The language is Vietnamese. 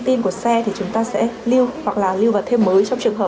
thì nó sẽ cứ bỏ qua cái khâu đó